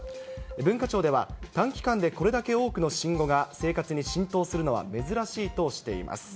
文化庁では、短期間でこれだけ多くの新語が生活に浸透するのは珍しいとしています。